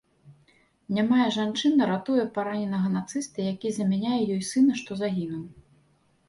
Нямая жанчына ратуе параненага нацыста, які замяняе ёй сына, што загінуў.